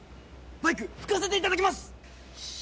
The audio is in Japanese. バイク拭かせていただきます！